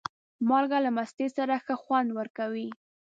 مالګه له مستې سره ښه خوند ورکوي.